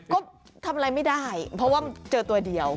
ก็ทำอะไรไม่ได้เพราะว่าเจอตัวเดียว